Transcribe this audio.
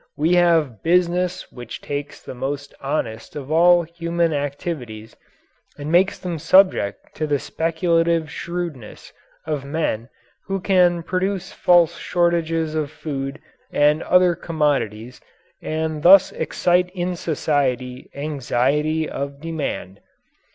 We have "business" which takes the most honest of all human activities and makes them subject to the speculative shrewdness of men who can produce false shortages of food and other commodities, and thus excite in society anxiety of demand.